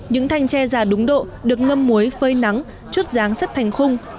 những thanh tre già đúng độ được ngâm muối phơi nắng chút dáng rất thành khung